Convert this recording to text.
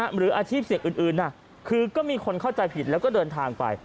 หรืออาชีพเสี่ยงอื่นคือก็มีคนเข้าใจผิดแล้วก็เดินทางไป